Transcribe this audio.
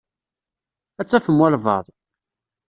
Ad tafem walebɛaḍ.